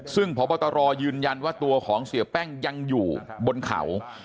ซึ่งพบตรยืนยันว่าตัวของเสียแป้งยังอยู่บนเขา